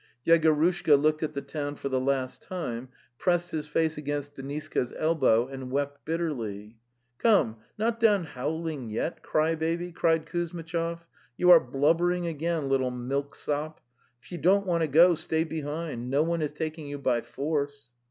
Yegorushka looked at the town for the last time, pressed his face against Deniska's el bow, and wept bitterly. ... "Come, not done howling yet, cry baby!"' cried Kuzmitchov. 'You are blubbering again, little milksop! If you don't want to go, stay behind; no one is taking you by force!"